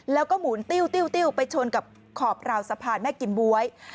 แล้วก็หมุนติ้วติ้วไปชนกับขอบราวสะพานแม่กิมบ๊วย